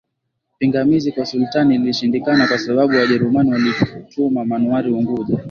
pingamizi kwa Sultani lilishindikana kwa sababu Wajerumani walituma manowari Unguja